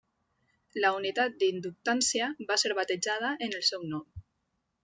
La unitat d'inductància va ser batejada en el seu nom.